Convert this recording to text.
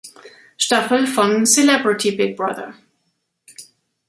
Staffel von Celebrity Big Brother.